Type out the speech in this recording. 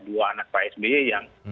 dua anak pak sby yang